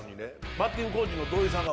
バッティングコーチの土井さんが。